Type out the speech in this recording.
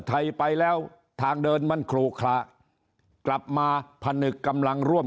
ไทยไปแล้วทางเดินมันครูคละกลับมาผนึกกำลังร่วม